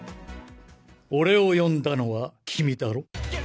俺を呼んだのは君だろ？